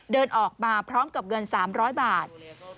เดินออกมาพร้อมกับเงิน๓๐๐บาท